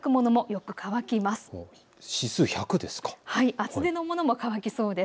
厚手のものも乾きそうです。